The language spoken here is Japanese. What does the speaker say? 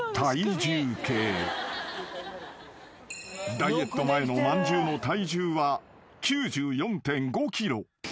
［ダイエット前のまんじゅうの体重は］